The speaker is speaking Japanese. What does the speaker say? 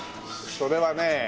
それはね